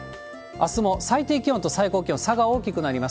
あすも最低気温と最高気温、差が大きくなります。